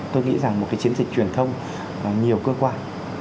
tôi nghĩ rằng một cái chiến dịch truyền thông nhiều cơ quan